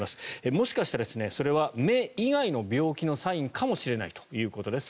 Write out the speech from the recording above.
もしかしたらそれは目以外の病気のサインかもしれないということです。